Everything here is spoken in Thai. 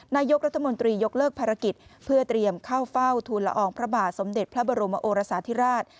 นายกรัฐมนตรียกเลิกภารกิจเพื่อเตรียมเข้าเฝ้าทูลละอองพระบาทสมเด็จพระบรมโอรสาธิราช